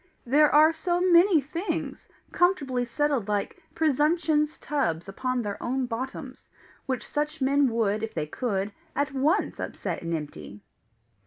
There are so many things, comfortably settled like Presumption's tubs upon their own bottoms, which such men would, if they could, at once upset and empty!"